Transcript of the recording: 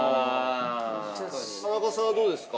◆田中さんは、どうですか？